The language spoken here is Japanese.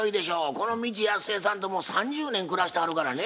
この未知やすえさんともう３０年暮らしてはるからね。